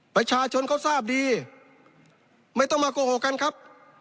ประชาชนเขาทราบดีไม่ต้องมาโกหกกันครับ